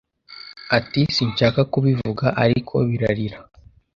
Ati Sinshaka kubivuga ariko birarira